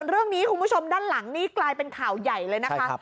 เรื่องนี้คุณผู้ชมด้านหลังนี้กลายเป็นข่าวใหญ่เลยนะคะ